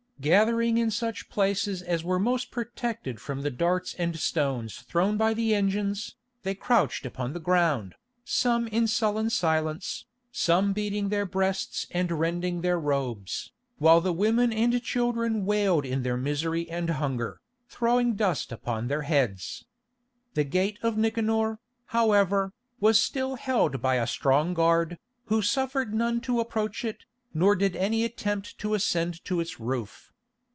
Gathering in such places as were most protected from the darts and stones thrown by the engines, they crouched upon the ground, some in sullen silence, some beating their breasts and rending their robes, while the women and children wailed in their misery and hunger, throwing dust upon their heads. The Gate of Nicanor, however, was still held by a strong guard, who suffered none to approach it, nor did any attempt to ascend to its roof.